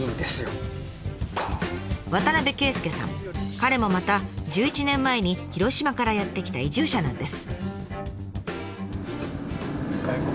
彼もまた１１年前に広島からやって来た移住者なんです。